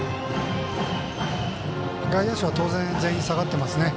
外野手は当然全員下がっていますね。